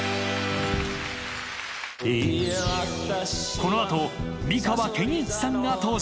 このあと美川憲一さんが登場！